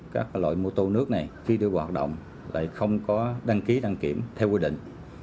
các loại mô tô nước này khi đưa vào hoạt động lại không có đăng ký đăng kiểm theo quy định